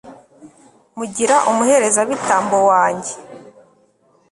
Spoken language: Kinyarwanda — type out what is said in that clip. mugira umuherezabitambo wanjye